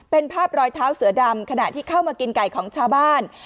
เป็นภาพรอยเท้าเสือดำขณะที่เข้ามากินไก่ของชาวบ้าน